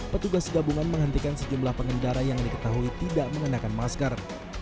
petugas gabungan menghentikan sejumlah pengendara yang diketahui tidak mengenakan masker